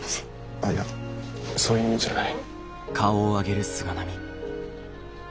あっいやそういう意味じゃない。